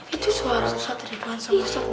itu suara ustadz dari buan ustadz